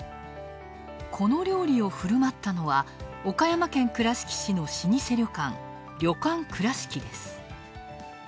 この料理をふるまったのは、岡山県倉敷市の老舗旅館、旅館くらしきです。